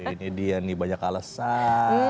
ini dia nih banyak alasan